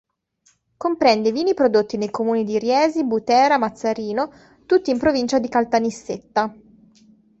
Comprende vini prodotti nei comuni di Riesi, Butera, Mazzarino, tutti in provincia di Caltanissetta.